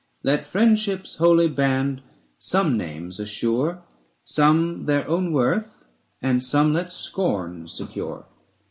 Let friendship's holy band some names assure. Some their own worth, and some let scorn secure.